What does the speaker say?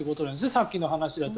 さっきの話だと。